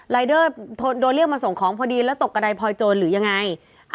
รายเดอร์โดนเรียกมาส่งของพอดีแล้วตกกระดายพลอยโจรหรือยังไง